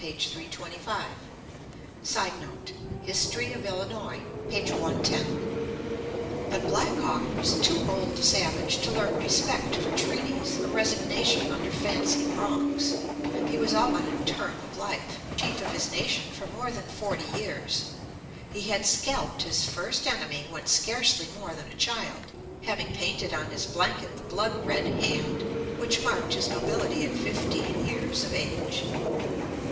325.] [Sidenote: Ford, "History of Illinois," p. 110.] But Black Hawk was too old a savage to learn respect for treaties or resignation under fancied wrongs. He was already approaching the allotted term of life. He had been a chief of his nation for more than forty years. He had scalped his first enemy when scarcely more than a child, having painted on his blanket the blood red hand which marked his nobility at fifteen years of age.